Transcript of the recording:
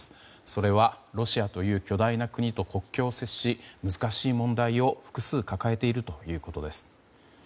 それは、ロシアという巨大な国と国境を接し難しい問題を複数抱えているということです。